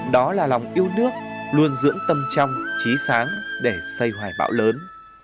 đó là lòng yêu nước luôn dưỡng tâm trong trí sáng để xây hoài bão lớn